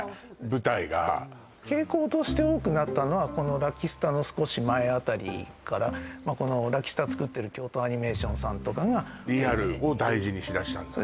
舞台が傾向として多くなったのはこの「らき☆すた」の少し前あたりからこの「らき☆すた」をつくってる京都アニメーションさんとかがリアルを大事にしだしたんだ？